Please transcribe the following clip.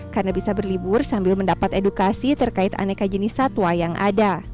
karena bisa berlibur sambil mendapat edukasi terkait aneka jenis satwa yang ada